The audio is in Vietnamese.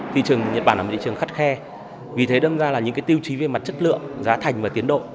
thị trường nhật bản là một thị trường khắt khe vì thế đâm ra là những tiêu chí về mặt chất lượng giá thành và tiến độ